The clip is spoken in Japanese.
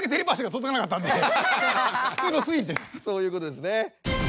そういうことですね。